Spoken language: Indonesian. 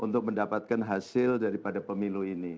untuk mendapatkan hasil daripada pemilu ini